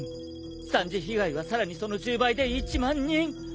三次被害はさらにその１０倍で１万人。